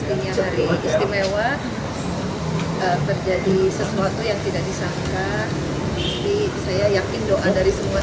ini hari istimewa terjadi sesuatu yang tidak disangka tapi saya yakin doa dari semua